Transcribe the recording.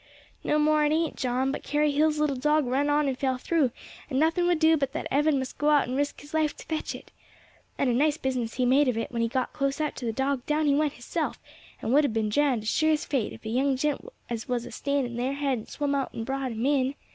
"No more it ain't, John; but Carrie Hill's little dog run on and fell through, and nothing would do but that Evan must go out and risk his life to fetch it out. And a nice business he made of it; when he got close out to the dog down he went hisself, and would have been drowned as sure as fate if a young gent as was a standing there hadn't swam out and brought him in.